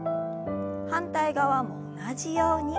反対側も同じように。